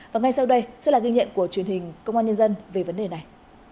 và ngay sau đây sẽ là ghi nhận của truyền hình công an nhân dân về vấn đề này